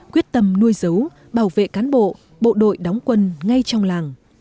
quyết tâm nuôi giấu bảo vệ cán bộ bộ đội đóng quân ngay trong làng